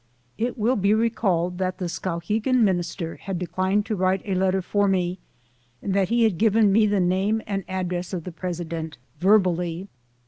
It will be re called that the Skowhegan minister had declined to write a letter for me and that he had given me the name and address of the president verbally.